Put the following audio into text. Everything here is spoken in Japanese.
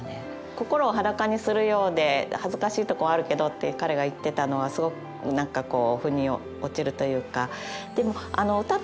心を裸にするようで恥ずかしいとこあるけどって彼が言ってたのはすごく何かこうふに落ちるというか。